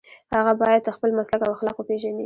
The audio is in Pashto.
هغه باید خپل مسلک او اخلاق وپيژني.